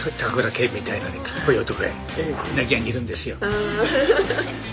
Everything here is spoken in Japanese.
ああ。